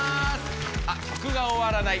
あっ曲が終わらない。